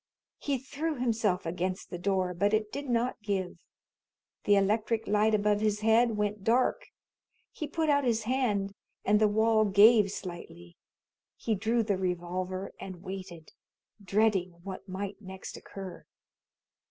He threw himself against the door, but it did not give. The electric light above his head went dark. He put out his hand, and the wall gave slightly. He drew the revolver and waited, dreading what might next occur.